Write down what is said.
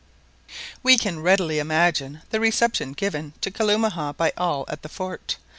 We can readily imagine the reception given to Kalumah by all at the fort.